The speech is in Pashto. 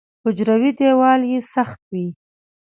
حجروي دیوال یې سخت وي.